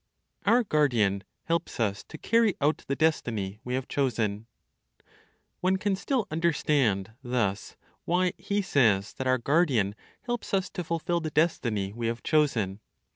OUR GUARDIAN HELPS US TO CARRY OUT THE DESTINY WE HAVE CHOSEN. One can still understand thus why he says that our guardian helps us to fulfil the destiny we have chosen.